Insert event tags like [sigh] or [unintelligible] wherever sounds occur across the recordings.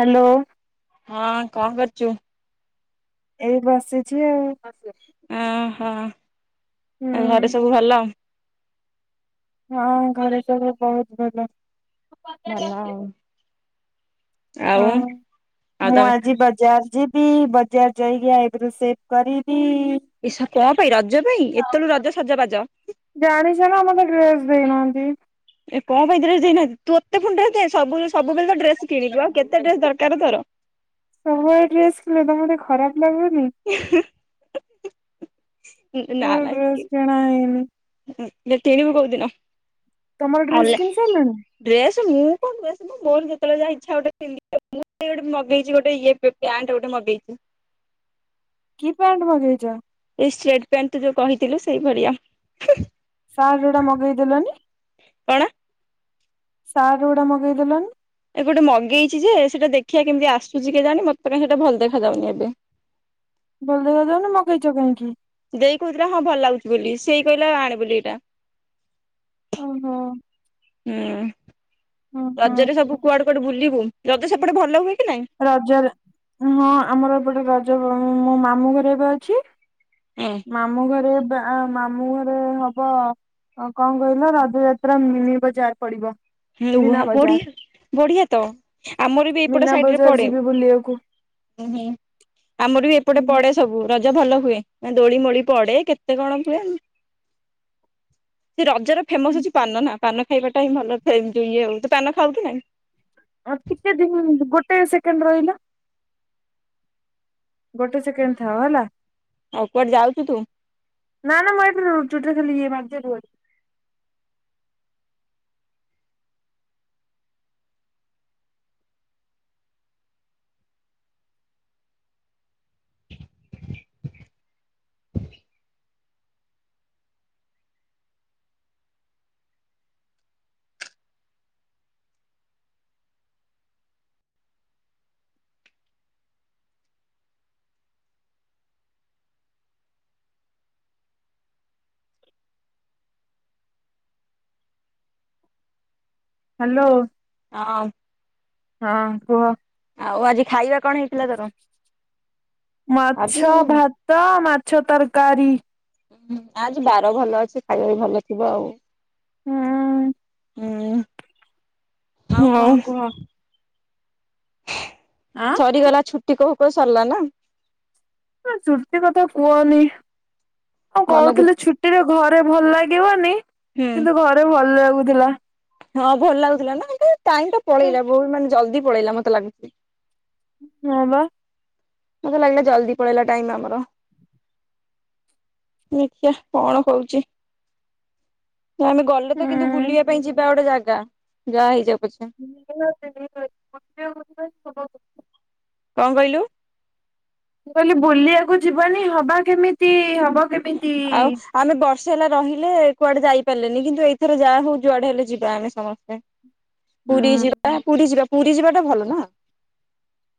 Hello. ହଁ କଣ କରୁଚୁ? ଏଇ ବସିଛି ଆଉ। ଓହୋ ଆଉ ଘରେ ହୁଁ। ସବୁ ଭଲ? ହଁ ଘରେ ସବୁ ବହୁତ୍ ଭଲ। ଭଲ ଆଉ। ଆଉ ହଁ ଆଉ ମୁଁ ତମ ଆଜିବା ବଜାର ଯିବି ବଜାର ଯାଇକି ଆଇବି ରୋସେଇ କରିବି। ଏସ କଣ ପାଇଁ? ରଜ ପାଇଁ? ଏତେ ବେଳୁ ରଜ ସଜବାଜ। ଜାଣିଛୁ ନା ମତେ ଡ୍ରେସ ଦେଇନାହାନ୍ତି। ଏ କଣ ପାଇଁ ଡ୍ରେସ ଦେଇନାହାନ୍ତି। ତତେ ପୁଣି ଡ୍ରେସ ଦେଇନାହାନ୍ତି। ସବୁ ସବୁବେଳେ ତ ଡ୍ରେସ କିଣିଲୁ ଆଉ କେତେ ଡ୍ରେସ ଦରକାର ତୋର? ସବୁବେଳେ ଡ୍ରେସ କିିଣେ ତମକୁ ଟିକିଏ ଖରାପ୍ ଲାଗୁନି। ହୁ ହୁ ନା ନାକି କଣା ହେଇନି। [unintelligible] କୋଉଦିନ? ତମର ଡ୍ରେସ୍ କିଣି ସାରିଲଣି? ଡ୍ରେସ୍ ମୁଁ କଣ ଡ୍ରେସ୍ ମୋ ବୋଉର ଯେତେବେଳେ ଯାହା ଇଚ୍ଛା ଗୋଟେ [unintelligible] ମୋ ପାଇଁ ଗୋଟେ ମଗେଇଛି ଗୋଟେ ଇଏ ପ୍ୟାଣ୍ଟ ଗୋଟେ ମଗେଇଛି। କି ପ୍ୟାଣ୍ଟ ମାଗାେଇଚ? ଏଇ ସ୍ଲେଟ ପ୍ୟାଣ୍ଟ ଯୋଉ କହିଥିଲୁ ସେଇଭଳିଆ। ସାର୍ଟ ଉଡ଼ା ମଗେଇଦେଲନି? କଣ? ସାର୍ଟ ଗୁଡା ମଗେଇଦେଲନି। ଏ ଗୋଟେ ମଗେଇଛି ଯେ ସେଟା ଦେଖିଆ କେମିତି ଆସୁଛି କେଜାଣି ମୋତେ ତ କାଇଁ ସେଇଟା ଭଲ ଦେଖାଯାଉନି ଏବେ। ଭଲ ଦେଖାଯାଉନି ମଗେଇଛ କାହିଁକି? ଦେଇ କହୁଥିଲା ହଁ ଭଲ ଲାଗୁଛି ବୋଲି, ସେଇ କହିଲା ଆଣେ ବୋଲି ଏଇଟା। ଓହୋ। ହୁଁ, ହଁ ରଜରେ ହଁ। ସବୁ କୁଆଡେ କୁଆଡେ ବୁଲିବୁ, ରଜ ସେପଟେ ଭଲ ହୁଏ କି ନାଇଁ? ରଜରେ, ହଁ ଆମର ଏପଟେ ରଜ ମୋ ମାମୁଁ ଘରେ ଏବେ ଅଛି। [inaudible] ମାମୁଁ ଘରେ ବା ମାମୁଁ ଘରେ ହବ ଅଁ କଣ କହିଲ ରଜଯାତ୍ରା ମିନି ବଜାର ପଡ଼ିବ। ଲୁହା ବଢ଼ିଆ, ବଢ଼ିଆ ତ, ଆମର ବି ଏଇପଟ ମୀନା ସାଇଟରେ ବଜାର ପଡ଼େ, ଯିବି ବୁଲିବାକୁ। ଉଁହୁଁ, ଆମର ବି ଏପଟେ ପଡ଼େ। ସବୁ ରଜ ଭଲ ହୁଏ, ନା ଦୋଳି ମୋଳି ପଡ଼େ କେତେ କଣ ହୁଏ। ସେ ରଜର ଫେମସ୍ ହଉଛି ପାନ ନା, ପାନ ଖାଇବାଟା ହିଁ ଭଲ। ସେମ୍ ଟୁ ୟୁ, ତୁ ପାନ ଖାଉକି ନାଇଁ? ଆଉ ଟିକେ ଦିନ ଗୋଟେ ସେକେଣ୍ଡ ରହିଲା। ଗୋଟେ ସେକେଣ୍ଡ ଥାଅ ହେଲା। ଆଉ କୁଆଡେ ଯାଉଚୁ ତୁ? ନା ନା ମୁଁ ଏଟିରୁ ଚୁଟିରେ ଖାଲି ଇଏ ମାରିଦିଏ ରୁହ। ହାଲୋ। ଅଁ ହଁ କୁହ। ଆଉ ଆଜି ଖାଇବା କଣ ହେଇଥିଲା ତୋର? ଆଜି ମାଛ, ଭାତ, ମାଛ ତରକାରୀ। ହୁଁ, ଆଜି ବାର ଭଲ ଅଛି ଖାଇବା ବି ଭଲ ଥିବ ଆଉ। ହୁଁ। ହୁଁ। ଆଉ ହଉ କଣ କୁହ? ଆଁ ସରିଗଲା ଛୁଟି କହୁ କହୁ ସରିଲା ନା? ହଁ ଛୁଟି କଥା କୁହନି, ହଁ ମନ ଦୁଃଖ କହୁଥିଲି ଛୁ ଟିରେ ଘରେ ଭଲ ଲାଗିବନି ହୁଁ କିନ୍ତୁ ଘରେ ଭଲ ଲାଗୁଥିଲା। ହଁ ଭଲ ଲାଗୁଥିଲା ନା ଏ କାଇଁ ଟାଇମ୍ ଟା ପଳେଇଲା ବହୁତ ମାନେ ଜଲ୍ଦି ପଳେଇଲା ମତେ ଲାଗୁଚି। ହଁ ବା। ମତେ ଲାଗିଲା ଜଲ୍ଦି ପଳେଇଲା ଟାଇମ୍ ଆମର। ଦେଖିଆ କଣ ହଉଛି। ନା ଆମେ ଗଲେ ତ କିନ୍ତୁ ମୁଁ ବୁଲିବା ପାଇଁ ଯିବା ଗୋଟେ ଜାଗା, ଯାହା ହେଇଯାଉ ପଛେ। [unintelligible] କଣ କହିଲୁ? ମୁଁ କହିଲି ବୁଲିବାକୁ ଯିବାନି ହବା କେମିତି ହବ। କେମିତି? ଆଉ। ଆମେ ବର୍ଷେ ହେଲା ରହିଲେ କୁଆଡେ ଯାଇପାରିଲେନି କିନ୍ତୁ ଏଇଥର ଯାହା ହଉ ଯୁଆଡେ ହେଲେ ଯିବା ଆମେ ସମସ୍ତେ। ପୁରୀ ହୁଁ ଯିବା ପୁରୀ ଯିବା ପୁରୀ ଯିବାଟା ଭଲ ନା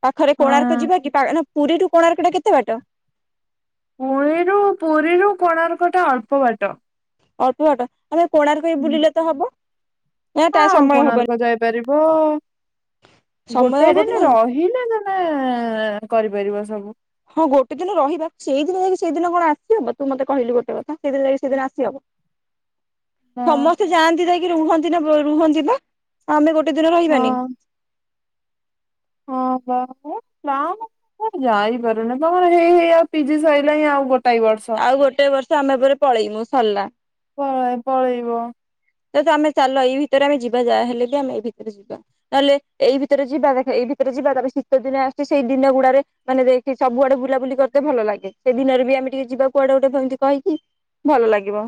ପାଖରେ କୋଣାର୍କ ହଁ ଯିବା କି। ନା ପୁରୀରୁୁ କୋଣାର୍ଟ ଟା କେତେ ବାଟ। ପୁଣିରୁ ପୁରୀରୁ କୋଣାର୍କ ଟା ଅଳ୍ପ ବାଟ। ଅଳ୍ପବାଟ ଆମେ କୋଣାର୍କରେ ବୁଲିଲେ ତ ହବ। ନା ତା ହଁ ସମୟ ହବନି। କୋଣାର୍କ ଯାଇପାରିବ ସମୟ ଗୋଟେ ହବ କି ଦିନ ନାହିଁ ରହିଲା ତ ମାନେ କରିପାରିବ ସବୁ। ହଁ ଗୋଟେ ଦିନ ରହିବା ସେଇଦିନ ଯାଇକି ସେଇଦିନ କଣ ଆସିହବ ତୁ ମତେ କହିଲୁ ଗୋଟେ କଥା ସେଇଦିନ ଯାଇକି ସେଦିନ ଆସିହବ। [inaudible] ହଁ ସମସ୍ତେ ଯାଆନ୍ତି ଯାଇକି ରୁହନ୍ତି ନା ରୁହନ୍ତି ବା ଆମେ ଗୋଟେ ଦିନ ରହିବାନି। ହଁପା ହେଁ ଜାମ୍ ଯାଇପାରୁନି ବାର ହେଇ ହେଇ ଆଉ ପିଜି ସରିଲା ହିଁ ଆଉ ଗୋଟାଏ ବର୍ଷ। ଆଉ ଗୋଟେ ବର୍ଷ ଆମେ ପରେ ପଳେଇମୁ ସରିଲା। ପଳେଇ ପଳେଇବ। ତ ତ ଆମେ ଚାଲ ଏଇ ଭିତରେ ଆମେ ଯିବା ଯାହାହଲେ ବି ଆମେ ଏଇ ଭିତରେ ଯିବା। ନହେଲେ ଏଇ ଭିତରେ ଜିବା ଦେଖ ଏଇ ଭିତରେ ଯିବା ତାପରେ ଶୀତ ଦିନ ଆସୁଛି ସେଇ ଦିନ ଗୁଡାରେ ମାନେ ଦେଖ ସବୁଆଡେ ବୁଲାବୁଲି କରିତେ ଭଲ ଲାଗେ ସେ ଦିନରେ ବି ଆମେ ଟିକେ ଯିବାକୁୁଆଡେ ଗୋଟେ କହିକି। ଭଲ ଲାଗିବ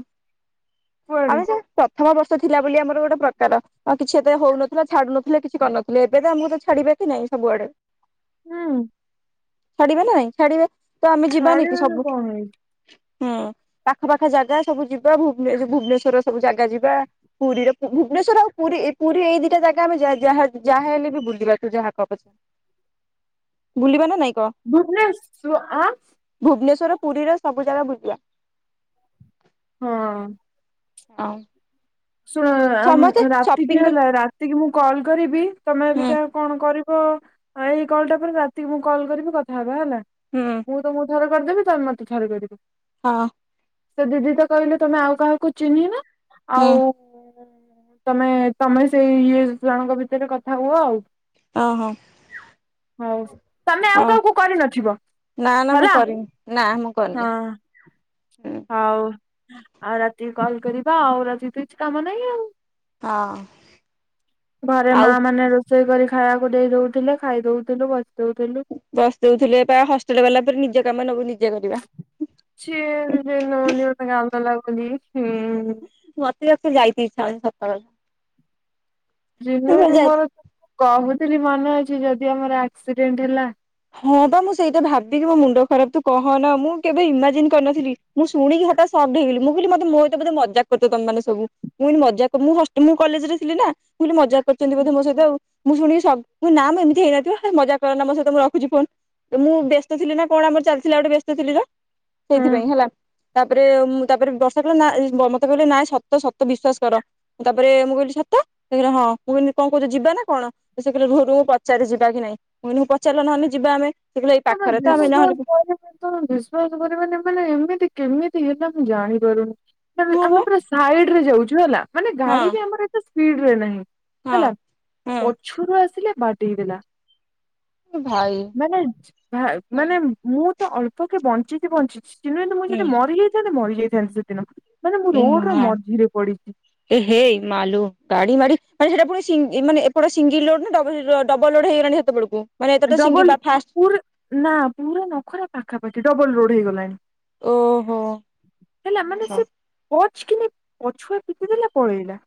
କୁଆଡେ ଆମେ ସେ ପ୍ରଥମ ବର୍ଷ ଥିଲା ବୋଲି ଆମର ଗୋଟେ ପ୍ରକାର। ଆଉ କିଛି ଏତେ ହଉନଥିଲା ଛାଡୁ ନଥିଲେ କିଛି କରିନଥୁଲେ ଏବେ ତ ଆମକୁ ତ ଛାଡିବେ କି ନାହିଁ ସବୁଆଡେ। ହୁଁ। ଛାଡିବେ ନା ନାଇଁ ଛାଡିବେ ତ ଆମେ ଯିବାନି କି ଛାଡିବନି ସବୁ। କଣ ହେଇଛି ହୁଁ ପାଖ ପାାଖ ଜାଗା ସବୁ ଯିବା ଭୁବନ ଭୁବନେଶ୍ଵରର ସବୁ ଜାଗା ଯିବା। ପୁରୀର ଭୁବନେଶ୍ୱର ଆଉ ପୁରୀ ପୁରୀ ଏ ଦିଟା ଜାଗା ଆମେ ଯ ଯାହା ଯାହା ହେଲେ ବି ବୁଲିବା ତୁ ଯାହା କହ ପଛେ। ବୁଲିବ ନା ନାଇଁ କ। ବୁବନେ ସ ଆଁ। ଭୁବନେଶ୍ୱର ପୁରୀରେ ସବୁ ଜାଗା ବୁଲିବା। ହଁ। ହଉ। ଶୁଣ ରାତି କିି ସପିଂ କରି ହେଲା ରାତିକି ମୁଁ କଲ କରିବି ତମେ ହୁଁ ଅବିକ। କଣ କରିବ ଏଇ କଲଟା ପରେ ରାତି ମୁଁ କଲ କରିବି କଥା ହେବା ହେଲା। ହୁଁ। ମୁଁ ତମକୁ ଥରେ କରିଦେବି ତମେ ମତେ ଥରେ କରିବ। ହଁ। ସେ ଦିଦି ତ କହିଲେ ତମେ ଆଉ କାହାକୁ ଚିଁହିନ ହୁଁ ଆଉ ତମେ ତମେ ସେଇ ଇଏସ୍ ଜଣଙ୍କ ଭିତରେ କଥା ହୁଅ ଆଉ। ଓଁ ହୋ। ହଉ ତମେ ଆଉ କାହାକୁ କରିନଥିବ। ନା ନା ମୁଁ ହେଲା କରିନି ନା ମୁଁ ହଁ କରିନି। ହୁଁ ହଉ ଆଉ ରାତିକି କଲ କରିବା ଆଉ ରାତିକି ତ କିଛି କାମ ନାହିଁ ଆଉ। ହଁ ଘରେ ମା ଆଉ ମାନେ ରୋ ରୋଷେଇ କରି ଖାଇବାକୁ ଦେଇ ଦଉଥିଲେ ଖାଇ ଦଉଥିଲୁ ବସି ଦଉଥିଲୁ। ବାସ ଦଉଥିଲେ ବା ହଷ୍ଟେଲ ବାଲା ଏଥର ନିଜ କାମ ସବୁ ନିଜେ କରିବା ସିଏ ନଉନି ଗୋଟେ ମତେ ନାଉ କଲା ବୋଲି ମତେ ଆଉ ସେ ଯାଇତେ ଇଛା ହଉନି ସତ କଥା ରିନୁ ଯାଇ ମୋର କହୁଥିଲି ମନେ ଅଛି ଯଦି ଆମର ଆକ୍ସିଡେଣ୍ଟ ହେଲା ହଁ ବା ମୁଁ ସେଇଟା ଭାବିକି ମୋ ମୁଣ୍ଡ ଖରାପ ତୁ କହନା ମୁଁ କେବେ ଇମାଜିନ କରିନଥିଲି ମୁଁ ଶୁଣିକି ହଠାତ୍ ସକଡ ହେଇଗଲି ମୁଁ କହିଲି ମତେ ମୋ ସହିତ ବୋଧେ ମଜାକ କରୁଛ ତମେ ମାନେ ସବୁ ମୁଁ କହିଲି ମଜାକ ମୁଁ ହଷ୍ଟେଲ ମୁଁ କଲେଜ ରେ ଥିଲିନା ମୁଁ କହିଲି ମଜାକ କରୁଛନ୍ତି ବୋଧେ ମୋ ସହିତ ଆଉ ମୁଁ ଶୁଣିକି ସକ ମୁଁ କହିଲି ନାଁ ମ ଏମିତି ହେଇନଥିବ ହେ ମଜାକ କରନା ମୋ ସହିତ ମୁଁ ର ଖୁଛି ଫୋନ୍ ମୁଁ ବ୍ୟସ୍ତ ଥିଲି ନା କଣ ଆମର ଚାଲିଥିଲା ଗୋଟେ ବ୍ୟସ୍ତ ଥିଲି ଯେ ସେଇଥିପାଇଁ ହେଲା ତାପରେ ମୁଁ ତାପରେ ବସ ତାପରେ ନା ବ ମତେ କହିଲେ ନାଇଁ ସତ ସତ ବିଶ୍ଵାସ କର ତାପରେ ମୁଁ କହିଲି ସତ ସେ କହିଲା ହଁ ମୁଁ କହିଲି କଣ କହୁଛ ଯିବା ନା କଣ ସେ କହିଲେ ରୁହ ରୁହ ପଚାରେ ଯିବା କି ନାହିଁ ମୁଁ କହିଲି ପଚାରିଲ ନହେଲେ ଯିବା ଆମେ ସେ କହିଲେ ଏଇ ତମେ ପାଖରେ ତ ଆମେ ନ ବିଶ୍ଵାସ ହେଲେବି କରିବନି ତମେ ବିଶ୍ୱାସ କରିବନି ମାନେ ଏମିତି କେମିତି ହେଲା ମୁଁ ଜାଣି ପାରୁନି ମାନେ ଆମେ ହଁ ପୁରା ସାଇଡରେ ଯାଉଛୁ ହେଲା ମାନେ ଗାଡି ବି ଆମର ଏତେ ସ୍ପିଡରେ ନାହିଁ ହେଲା ହଁ ହଁ। ପଛରୁ ଆସିଲେ ବାଡେଇଦେଲା ଭାଇ ଭା ହୁଁ ମାନେ ମୁଁ ତ ଅଳ୍ପକେ ବଞ୍ଚିଛି ବଞ୍ଚିଛି ଚିହ୍ନନ୍ତୁ ମୁଁ ଯଦି ମରିଯାଇଥାନ୍ତି ମରିଯାଇଥାନ୍ତି ସେ ଦିନ ମାନେ ମୁଁ ଏ ମା ରୋଡର ମଝିରେ ପଡିଛି ଏ ହେ ମାଲୋ ଗାଡି ମାଡି ମାନେ ସେଟା ପୁଣିି ସିଙ୍ଗ ମାନେ ଏପଟା ସିଙ୍ଗଲ ରୋଡ ନା ଡବଲ ରୋଡ ଡବଲ ରୋଡ ହେଇଗଲାଣି ସେତେବେଳକୁ ମାନେ ଏତେଟା ସିଙ୍ଗି ଡବଲ ବା ଫାଷ୍ଟ ପୁର ନା ପୁରା ନଖରା ପାଖାପାଖି ଡବଲ ରୋଡ ହେଇଗଲାଣି। ଓହୋ। ହେଲା ମାନେ ଆଚ୍ଛା। ସେ ପଚ କିିନି ପଛୁଆ ପିଟିିଦେଲା ପଳେଇଲା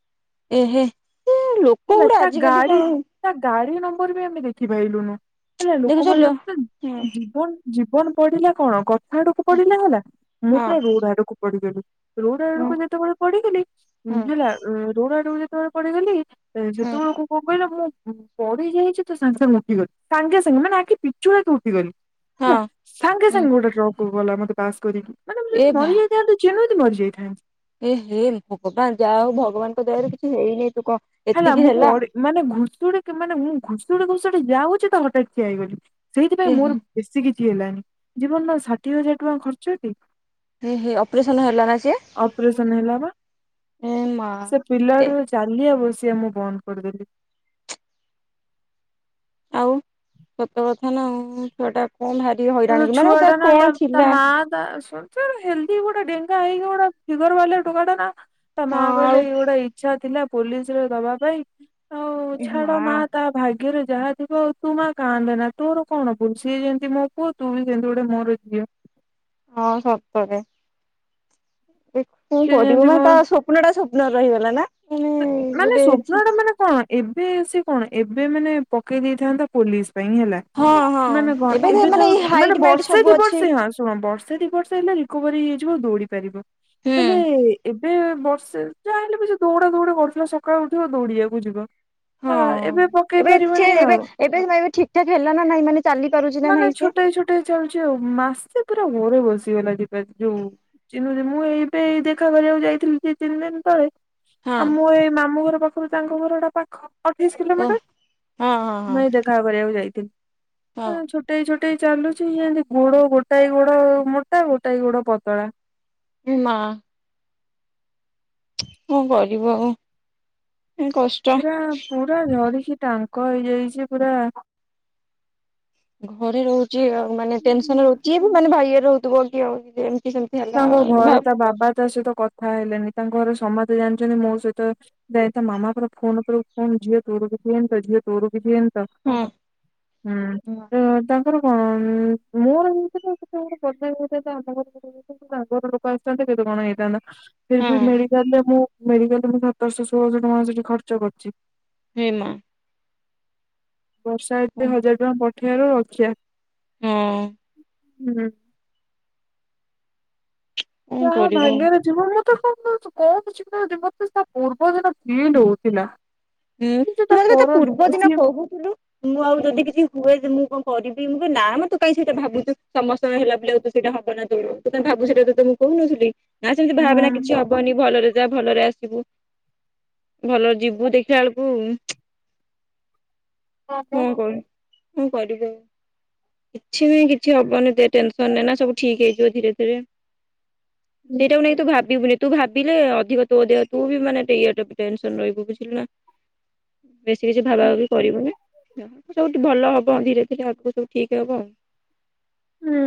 ଏ ହେ ଏ ଲୋକ ହେଲା ଗୋଡା ତା ଆଜିକାଲି ଗାଡି କଣ ହଉ ତା ଗାଡି ନମ୍ବର ବି ଆମେ ଦେଖିପାଇଲୁନୁ ହେଲେ ଦେଖୁଚ ହୁଁ ଲୋକମାନଙ୍କ ଜୀବନ ଜୀବନ ପଡିଲା କଣ କଥା ଆଡକୁ ପଡିଲା ହେଲା ମୁଁ ହଁ ପୁରା ରୋଡ ଆଡକୁ ପଡିଗଲି ରୋଡ ହୁଁ ଆଡକୁ ଯେତେବେଳେ ପଡିଗଲି ହୁଁ ହେଲା ରୋଡ ଆଡକୁ ଯେତେବେଳେ ପଡିିଗଲି ହୁଁ ଯେତେବେଳକୁ କଣ କହିଲ ମୁଁ ପଡ଼ିଯାଇଛି ତ ସାଙ୍ଗେ ସାଙ୍ଗେ ଉଠିଗଲି। ସାଙ୍ଗେ ସାଙ୍ଗେ ମାନେ ଆଖି ପିଚୁଳାକେ ଉଠିଗଲି ହେଲା ହଁ ସାଙ୍ଗେ ହୁଁ ସାଙ୍ଗେ ଗୋଟେ ଟ୍ରକ୍ କୁ ଗଲା ମତେ ପାସ୍ କରିକି ମାନେ ମୁ ଏ ଯଦି ଭା ମରିଯାଇଥାନ୍ତି ଯେଣିତି ମରିଯାଇଥାନ୍ତି। ଏ ହେ ଭଗବାନ ଯାହା ହଉ ଭଗବାନଙ୍କ ଦୟାରୁ କିଛି ହେଇନି ତୁ କହ ହେଲା ମୁଁ ପଡି ମାନେ ଘୁଷଡିକି ମାନେ ମୁଁ ଘୁଷୁଡି ଘୁଷୁଡି ଯାଉଛି ତ ହଠାତ୍ ଠିଆ ହେଇଗଲି ସେଇଥିପାଇଁ ଏ ମୋର ବେଶୀ କିଛି ହେଲାନି ଜୀବନର ଷାଠିଏ ହଜାର ଟଙ୍କା ଖର୍ଚ୍ଚ ତି ଏହେ ଅପରେସନ ହେଲା ନା ସିଏ ଏ ମା ଏ ପିଲାଟି ର ଚାଲିବା ବସିବା ମୁଁ ବନ୍ଦ କରିଦେଲି ଆଉ ସତ କଥା ନା ଆଉ ଛୁଆ ଟା କଣ ଭାରି ହଇରାଣ କି ମାନେ ତା କଣ ଥିଲା ଆ ତା ସୁନ ସିଏ ଗୋଟେ ହେଲଦି ଗୋଟେ ଡେଙ୍ଗା ହେଇକି ଗୋଟେ ଫିଗର ବାଲା ଟୋକାଟା ନା ତା ମା ହଁ କହିଲେ ଆଉ ଇଏ ଗୋଟେ ଏଇ ଇଛା ଥିଲା ପୋଲିସରେ ଦବା ପାଇଁ ଆଉ ଏ ଛାଡ ମା ନା ତା ଭା ଗ୍ୟରେ ଯାହା ଥିବ ତୁ ମା କାନ୍ଦେନା ତୋର କଣ ଭୁଲ ସିଏ ଯେମିତି ମୋ ପୁଅ ତୁ ବି ସେମିତି ଗୋଟେ ମୋର ଝିଅ। ହଁ ସତରେ। ଏ କଣ ସିଏ କରିବୁ ଯେମିତି ମା ତା ମୋର ସ୍ଵପ୍ନଟା ସ୍ୱପ୍ନରେ ରହିଗଲା ନା। ମାନେ ମାନେ ଗୋଟେ ସ୍ୱପ୍ନ ଟା ମାନେ କଣ ଏବେ ସେ କଣ ଏବେ ମାନେ ପକେଇ ଦେଇଥାନ୍ତା ପୋଲିସ୍ ପାଇଁ ହେଲା। ହଁ ହଁ ମାନେ କଣ ଏବେ ଯାଉ ଏଇ ମାନେ ହାଇଟ୍ ମାଇଟ୍ ବର୍ଷେ ସବୁ ଦି ଅଛି ବର୍ଷେ ହଁ ଶୁଣ ବର୍ଷେ ଦି ବର୍ଷ ହେଲେ ରିକୋଭରୀ ହେଇଯିବ ଦୌଡିପାରିବ ହୁଁ ହେଲେ ଏବେ ବର୍ଷେ ଯାହା ହେଲେ ବି ସେ ଦୌଉ କେମ୍‌ତି ଗୋଟେ କରୁଥିଲା ସକାଳୁ ଉଠିବ ଦୌଡିବାକୁ ଯିବ। ହଁ ହେଲା ଏବେ ପକେଇ ଏବେ ସିଏ ପାରିବନି ଏବେ ଆଉ। ଏବେ ମେବି ଠିକ୍‌ଠାକ୍ ହେଲା ନା ନାଇଁ ମାନେ ଚାଲିପାରୁଚି ନା ନାହିଁ ସେ? ଗୋଟେ ଚାଲିଚି ଆଉ ମାସେ ପୁରା ଘରେ ବସିଗଲା ଦୀବା ଯୋଉ ଚିନୁଛି ମୁଁ ଏଇ ଏବେ ଏଇ ଦେଖା କରିବାକୁ ଯାଇଥିଲି ଦି ତିନି ଦିନ୍ ତଳେ। ହଁ ଆଉ ମୁଁ ଏଇ ମାମୁଁ ଘର ପାଖରୁ ତାଙ୍କ ଘରଟା ପାଖ ଅଠେଇଶି ଓ କିଲୋମିଟର। ହଁ ହଁ ହଁ ମୁଁ ଏଇ ଦେ ଖା କରିବାକୁ ଯାଇଥିଲି। ହଁ। ଆଁ ଛୋଟେଇ ଛୋଟେଇ ଚାଲୁଚି ଇଏ ଏନ୍ତି ଗୋଡ ଗୋଟାଏ ଗୋଡ ମୋଟା ଗୋଟାଏ ଗୋଡ ପତଳା। ଉମ୍ ମା। କଣ କରିବ ଆଉ ଉଁ କଷ୍ଟ। ପୁରା ପୁରା ଝଡିକି ଟାଙ୍କ ହେଇଯାଇଚି ପୁରା। ଘରେ ରହୁଚି ଆଉ ମାନେ ଟେନ୍‌ସନ୍‌ ରହୁ ଯିଏ ବି ମାନେ ଭାଇ ଇଏରେ ରହୁଥିବ କି ଆଉ ଏମ୍‌ତି ସେମ୍ ତାଙ୍କ ଘରେ ତା ବାବା ତା ସହିତ କଥା ହେଲେନି ତାଙ୍କ ଘରେ ସମସ୍ତେ ଜାଣିଚନ୍ତି ମୋ ସହିତ ଦାଇତ୍ବ ମାମା ପୁରା ଫୋନ୍ ଉପରେ ଫୋନ୍ ଝିଅ ତୋର କିଛି ହେଇନି ତ ଝିଅ ତୋର କିଛି ହେଇନି। ତ ହଁ ହୁଁ ତ ତା ତୋର କଣ ଉଁ ମୋର ଏମିତି ସେମିତି କେହିବି [unintelligible] ଙ୍କ ଘର ଲୋକ ଆସିଥାନ୍ତେ କେତେ କଣ ହେଇଥାନ୍ତା ଫିର୍ ବି ହଁ ମେଡିକାଲ ରେ ମୁଁ ମେଡିକାଲରେ ମୁଁ ସତରଶହ ଷୋଳଶହ ଟଙ୍କା ସେଠି ଖର୍ଚ୍ଚ କରିଚି। ଏମା। ବର୍ଷା ଏତେ ହଁ ହଜାର ଟଙ୍କା ପଠେଇବାରୁ ରକ୍ଷା ହୁଁ। କଣ ଯାହା କରିବ? ଭାଗ୍ୟରେ ଯିବ ମତେ କଣ କହୁଚି ପା [unintelligible] ତା ପୂର୍ବଦିନ ଫିଲ୍ ହଉଥିଲା। ହୁଁ କିନ୍ତୁ ତୁ ମତେ ବି ତା ପର ପୂର୍ବ ଦିନ ସିଏ କହୁଥିଲୁ। ମୁଁ ଆଉ ଯଦି କିଛି ହୁଏ କି ମୁଁ କଣ କରିବି ମୁଁ କହି ନାମ ତୁ କାଇଁ ସେଇଟା ଭାବୁଚୁ ସମ୍ ସମୟ ହେଲାବୋଲି ଆଉ ତୁ ସେଇଟା ହବନା ତୋର ତୁ କାଇଁ ଭାବୁଚୁ ସେଟା ତତେ ମୁଁ କହୁନଥିଲି। ନା ସେମିତି ହଁ ଭାବେନା କିଛି ହବନି ଭଲରେ ଯା ଭଲରେ ଆସିବୁ ଭଲରେ ଯିବୁ। ଦେଖ୍ ଖିଲାବଳକୁ ହଁ ପା। କଣ କରି ମୁଁ କରିଦେବି। କିଛି ହିଁ କିଛି ହବନି ଏତେ ଟେନ୍‌ସନ୍‌ ନେନା ସବୁ ଠିକ୍ ହେଇଯିବ ଧୀରେ ଧୀରେ। ସେଇଟାକୁ ନେଇ ତୁ ଭାବିବୁନି। ତୁ ଭାବିଲେ ଅଧିକ ତୋଦେହ ତୁ ବି ମାନେ ଟେ ଇଏଟେ ଟେନ୍‌ସନ୍‌ ରହିବୁ ବୁଝିଲୁନା। ବେଶୀ କିଛି ଭାବାଭାବି କରିବୁନି। ଯ ସବୁଠୁ ଭଲହବ ଧୀରେ ଧୀରେ ଆଗୁକୁ ସବୁ ଠିକ୍‌ ହବ। ହୁଁ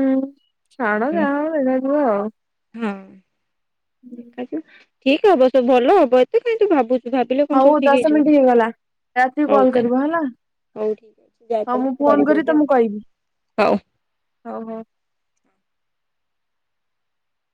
ଛାଡ ହୁଁ ଯାହାହବ ଦେଖାଯିବ ଆଉ। ହଁ। ଆଜ୍ଞା ଠିକ୍‌ହବ ସବୁ ଭଲହବ ଏତେ କାଇଁ ତୁ ଭାବୁ ତୁ ଭାବିଲେ କଣ ହଉ ସବୁ ଠିକ୍ ଦଶ ମିନିଟ୍ ହେଇଗଲା ରାତିକି ହେଇଯିବ ହୋଉ କଲ୍ ତା କରିବ ହେଲା। ହଉ ମୁଁ ଫୋନ କରି ତମକୁ କହିବି ହଉ। ହଉ ହଉ।